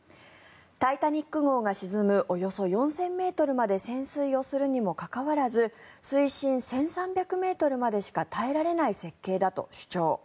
「タイタニック号」が沈むおよそ４０００ｍまで潜水するにもかかわらず水深１３００ｍまでしか耐えられない設計だと主張。